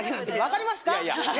分かりますか？